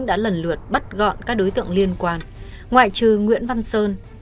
đã lần lượt bắt gọn các đối tượng liên quan ngoại trừ nguyễn văn sơn